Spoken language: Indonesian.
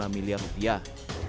lima miliar rupiah